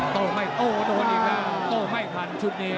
โต้ไม่ทันโต้ไม่ทันชุดนี้